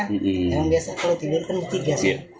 yang biasa kalau tidur kan dicurigasi